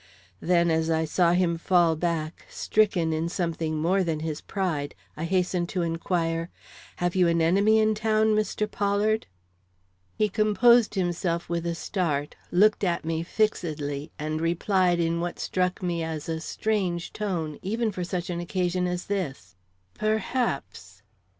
Then, as I saw him fall back, stricken in something more than his pride, I hastened to inquire: "Have you an enemy in town, Mr. Pollard?" He composed himself with a start, looked at me fixedly, and replied in what struck me as a strange tone even for such an occasion as this: "Perhaps."